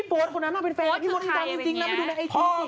พี่โฟสคนนั้นน่าเป็นแฟนพี่มดดำจริงน่าไปดูในไอที